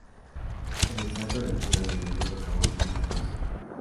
En el salto de altura sin impulso acabó en quinta posición.